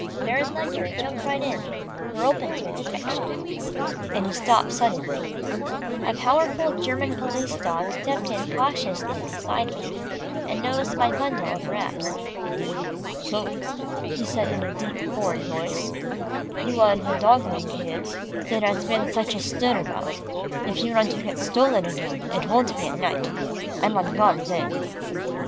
Baron Ledgar, jump right in. We're open to inspection," and he stopped suddenly. A powerful German police dog stepped in cautiously beside me, and nosed my bundle of wraps. "So," he said in a deep foreign voice, "you are the dogling there has been such a stir about. If you want to get stolen again, it won't be at night. I'm on guard then."